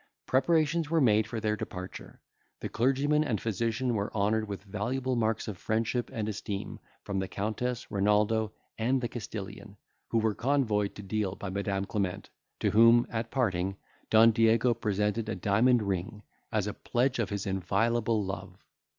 Preparations were made for their departure; the clergyman and physician were honoured with valuable marks of friendship and esteem from the Countess, Renaldo, and the Castilian, who were convoyed to Deal by Madam Clement, to whom, at parting, Don Diego presented a diamond ring, as a pledge of his inviolable love.